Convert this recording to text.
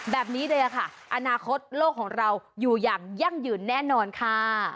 แบบนี้เลยค่ะอนาคตโลกของเราอยู่อย่างยั่งยืนแน่นอนค่ะ